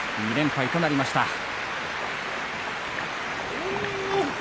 ２連敗となりました。